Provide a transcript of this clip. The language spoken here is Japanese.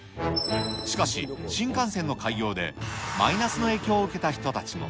しかし、新幹線の開業で、マイナスの影響を受けた人たちも。